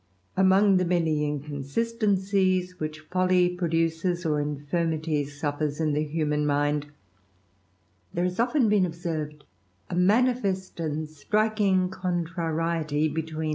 A MONG the many inconsistencies which folly producesj ^^ or infirmity suffers, in the human mind, there ha£ often been observed a manifest and striking contrariety THE RAMBLER.